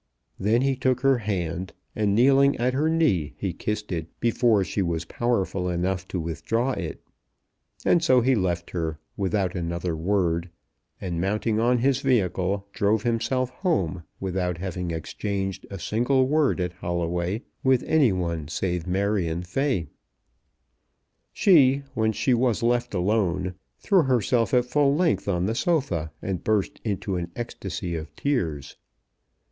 Then he took her hand, and kneeling at her knee, he kissed it before she was powerful enough to withdraw it. And so he left her, without another word, and mounting on his vehicle, drove himself home without having exchanged a single word at Holloway with any one save Marion Fay. She, when she was left alone, threw herself at full length on the sofa and burst into an ecstacy of tears.